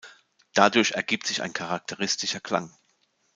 Dadurch ergibt sich ein charakteristischer Klang.